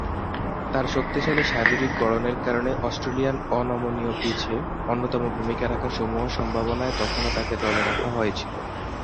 তার শক্তিশালী শারীরিক গড়নের কারণে অস্ট্রেলিয়ার অনমনীয় পিচে অন্যতম ভূমিকা রাখার সমূহ সম্ভাবনায় তখনও তাকে দলে রাখা হয়েছিল।